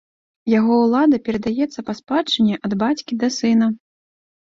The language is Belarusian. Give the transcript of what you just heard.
Яго ўлада перадаецца па спадчыне ад бацькі да сына.